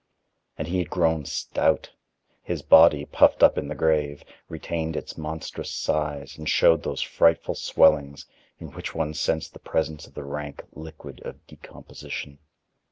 And he had grown stout. His body, puffed up in the grave, retained its monstrous size and showed those frightful swellings, in which one sensed the presence of the rank liquid of decomposition.